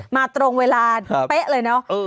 มาตรงเวลาเป๊ะเลยเนอะ